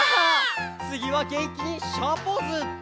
「つぎは元気にシャーポーズ！」